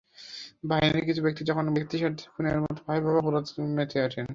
বাহিনীর কিছু ব্যক্তি তখন ব্যক্তিস্বার্থে খুনের মতো ভয়াবহ অপরাধেও মেতে ওঠেন।